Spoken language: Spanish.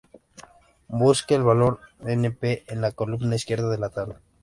Busque el valor np en la columna izquierda de la tabla.